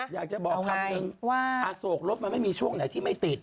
อยากจะบอกคำนึงว่าอโศกรถมันไม่มีช่วงไหนที่ไม่ติด